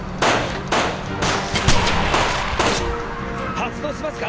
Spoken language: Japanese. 発動しますか？